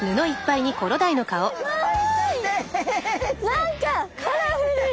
何かカラフル！